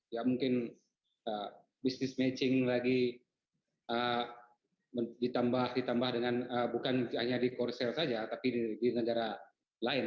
ya mungkin bisnis matching lagi ditambah dengan bukan hanya di korsel saja tapi di negara lain